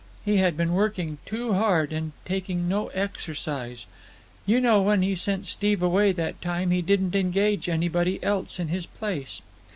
He had been working too hard and taking no exercise. You know when he sent Steve away that time he didn't engage anybody else in his place.